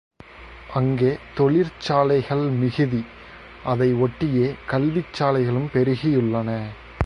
அங்கே தொழிற்சாலைகள் மிகுதி அதை ஒட்டியே கல்விச்சாலைகளும் பெருகியுள்ளன.